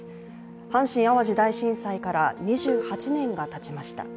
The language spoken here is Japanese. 阪神・淡路大震災から２８年がたちました。